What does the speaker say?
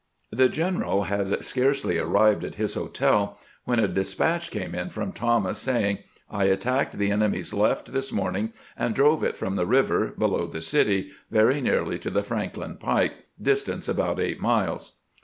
The general had scarcely arrived at his hotel when a despatch came in from Thomas, saying :" I attacked the enemy's left this morning and drove it from the river, below the city, very nearly to the Franklin Pike, dis tance about eight miles.